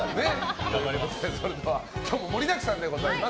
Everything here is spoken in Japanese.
今日も盛りだくさんでございます。